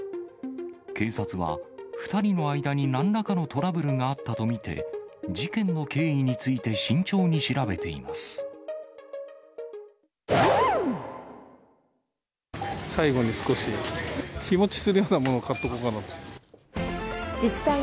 警察は、２人の間になんらかのトラブルがあったと見て、事件の経緯について慎重に調べています。